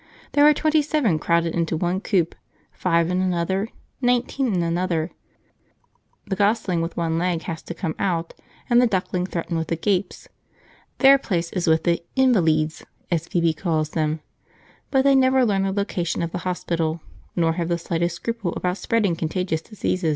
There are twenty seven crowded into one coop, five in another, nineteen in another; the gosling with one leg has to come out, and the duckling threatened with the gapes; their place is with the "invaleeds," as Phoebe calls them, but they never learn the location of the hospital, nor have the slightest scruple about spreading contagious diseases.